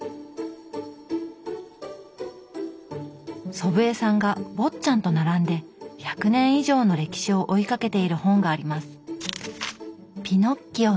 祖父江さんが「坊っちゃん」と並んで１００年以上の歴史を追いかけている本があります。